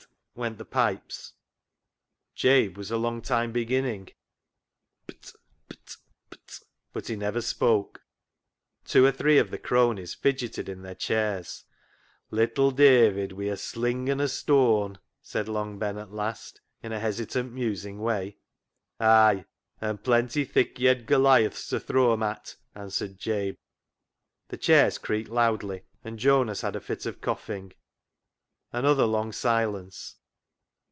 P't, p't, went the pipes — Jabe was a long time beginning. BILLY BOTCH 45 P't, p't, p't, but he never spoke. Two or three of the cronies fidgeted in their chairs. " Little David wi' a sling an' a stoan," said Long Ben at last, in a hesitant, musing way. " Ay, an' plenty thick yed Goliaths to throw 'em at," answered Jabe. The chairs creaked loudly, and Jonas had a fit of coughing. Another long silence.